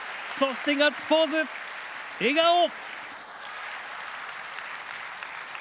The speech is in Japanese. そしてガッツポーズ、笑顔。